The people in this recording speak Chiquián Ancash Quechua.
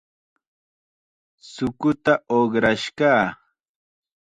Chukuta uqrash kaa.